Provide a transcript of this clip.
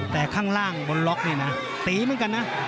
แต่ข้างล่างบนล็อกนี่นะตีเหมือนกันนะ